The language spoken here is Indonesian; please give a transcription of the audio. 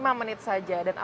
kita akan menemukan hasilnya